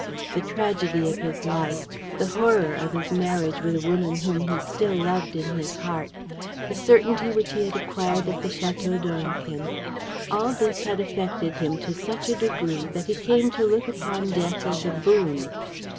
The tragedy of his life, the horror of his marriage with a woman whom he still loved in his heart, the certainty which he had acquired at the Château d'Ornequin: all this had affected him to such a degree that he came to look upon death as a boon.